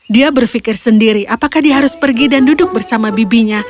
dia berpikir sendiri apakah dia harus pergi dan duduk bersama bibinya